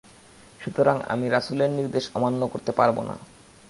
সুতরাং আমি রাসূলের নির্দেশ অমান্য করতে পারব না।